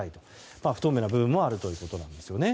まだ不透明な部分もあるということです。